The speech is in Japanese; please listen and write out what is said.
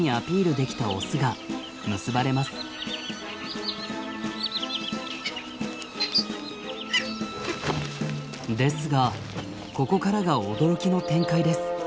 ですがここからが驚きの展開です。